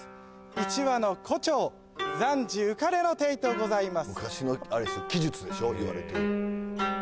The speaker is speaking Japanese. １羽の胡蝶暫時浮かれのていとございます